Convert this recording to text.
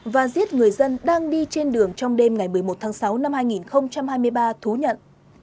và giết người dân đang đi trên đường trong đêm ngày một mươi một tháng sáu năm hai nghìn hai mươi ba thú nhận